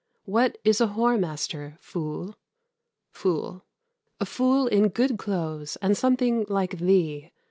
_ What is a whoremaster, fool? "Fool. A fool in good clothes, and something like thee.